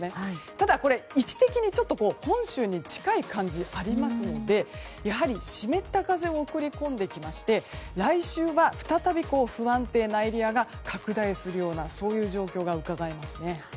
ただ、位置的に本州に近い感じがありますのでやはり湿った風を送り込んできまして来週は再び不安定なエリアが拡大するような状況がうかがえます。